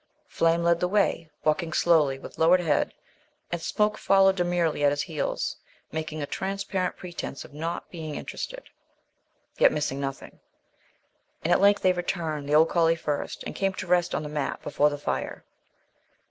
Flame led the way, walking slowly with lowered head, and Smoke followed demurely at his heels, making a transparent pretence of not being interested, yet missing nothing. And, at length, they returned, the old collie first, and came to rest on the mat before the fire.